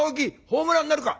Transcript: ホームランになるか？